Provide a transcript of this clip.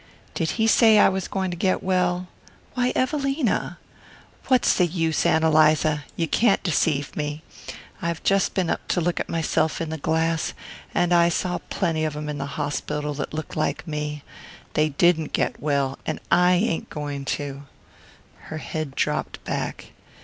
"Did he say I was going to get well?" "Why, Evelina!" "What's the use, Ann Eliza? You can't deceive me. I've just been up to look at myself in the glass; and I saw plenty of 'em in the hospital that looked like me. They didn't get well, and I ain't going to." Her head dropped back.